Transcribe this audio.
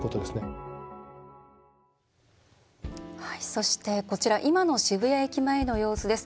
そして、こちら今の渋谷駅前の様子です。